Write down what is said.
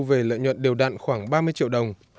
về lợi nhuận đều đặn khoảng ba mươi triệu đồng